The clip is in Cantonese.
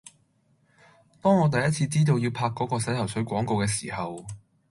當我第一次知道要拍嗰個洗頭水廣告嘅時候